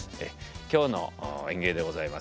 今日の演芸でございます。